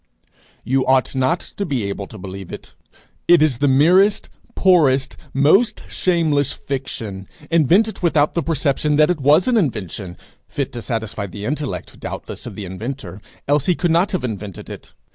You ought not to be able to believe it. It is the merest, poorest, most shameless fiction, invented without the perception that it was an invention fit to satisfy the intellect, doubtless, of the inventor, else he could not have invented it.